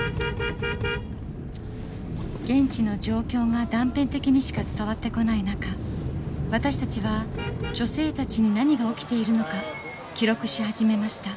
現地の状況が断片的にしか伝わってこない中私たちは女性たちに何が起きているのか記録し始めました。